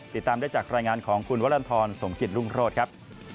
ติดตามได้จากรายงานของคุณวรรณฑรสมกิจรุ่งโรธครับ